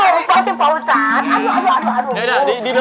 apa ya pak ustadz